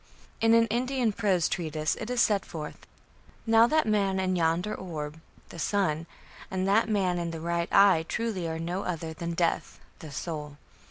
In an Indian prose treatise it is set forth: "Now that man in yonder orb (the sun) and that man in the right eye truly are no other than Death (the soul).